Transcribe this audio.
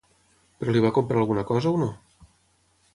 Però li va comprar alguna cosa o no?